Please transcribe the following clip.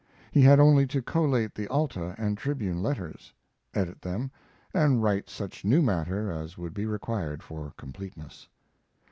He had only to collate the Alta and Tribune letters, edit them, and write such new matter as would be required for completeness.